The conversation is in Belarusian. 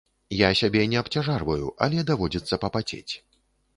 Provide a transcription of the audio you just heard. Я сябе не абцяжарваю, але даводзіцца папацець.